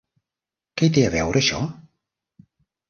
Què hi té a veure això?